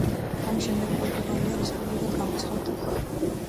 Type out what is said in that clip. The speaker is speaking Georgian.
ამის შემდეგ პორტუგალია რესპუბლიკად გამოცხადდა.